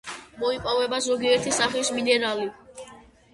მოიპოვება ზოგიერთი სახის მინერალი.